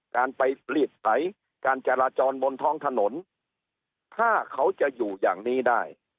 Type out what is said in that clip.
การไปลีดไถการจราจรบนท้องถนนถ้าเขาจะอยู่อย่างนี้ได้